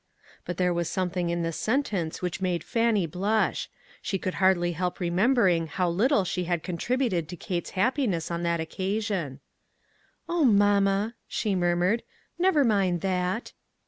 But there was something in this sentence which made Fannie blush ; she could hardly help remembering how little she hud con tributed to Kate's happiness on that occa sion. " O, mamma !" she murmured, " never mind that."